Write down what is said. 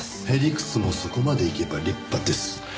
屁理屈もそこまでいけば立派です。